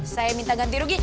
saya minta ganti rugi